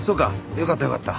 よかったよかった。